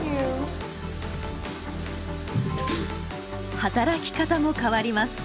働き方も変わります。